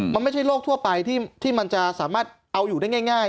มันไม่ใช่โรคทั่วไปที่มันจะสามารถเอาอยู่ได้ง่าย